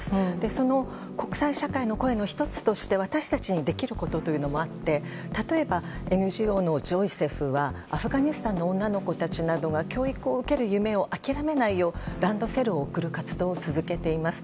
その国際社会の声も１つとして私たちにできることもあり例えば、ＮＧＯのジョイセフはアフガニスタンの女の子たちなどが教育を受ける夢を諦めないようランドセルを送る活動を続けています。